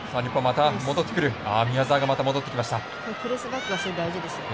プレスバックがすごい大事ですよね。